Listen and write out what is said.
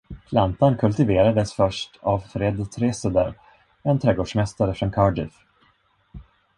Plantan kultiverades först av Fred Treseder, en trädgårdsmästare från Cardiff.